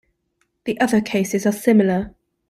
The other cases are similar.